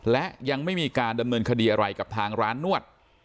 และยังไม่มีการดำเนินคดีอะไรกับทางร้านนวด